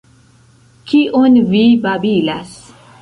Kion vi babilas!